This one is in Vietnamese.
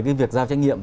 cái việc giao trách nhiệm